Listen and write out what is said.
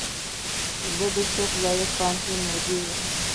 زۀ د شيخ زايد پوهنتون مدير يم.